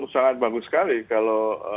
sangat bagus sekali kalau